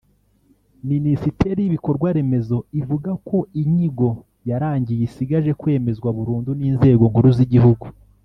Minisiteri y’ibikorwa remezo ivuga ko inyigo yarangiye isigaje kwemezwa burundu n’inzego nkuru z’igihugu